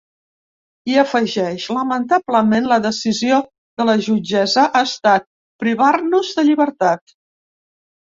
I afegeix: Lamentablement la decisió de la jutgessa ha estat privar-nos de llibertat.